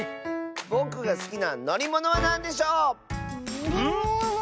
ぼくがすきなのりものはなんでしょう⁉のりもの？